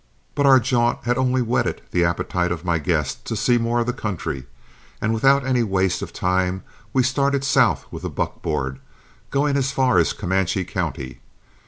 But our jaunt had only whetted the appetite of my guest to see more of the country, and without any waste of time we started south with the buckboard, going as far as Comanche County.